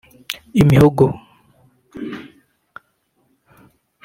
imihogo